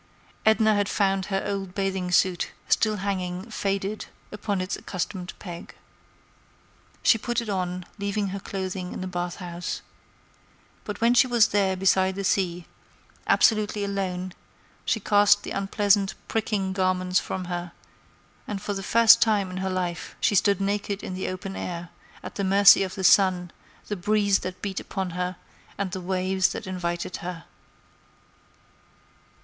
Edna had found her old bathing suit still hanging, faded, upon its accustomed peg. She put it on, leaving her clothing in the bath house. But when she was there beside the sea, absolutely alone, she cast the unpleasant, pricking garments from her, and for the first time in her life she stood naked in the open air, at the mercy of the sun, the breeze that beat upon her, and the waves that invited her.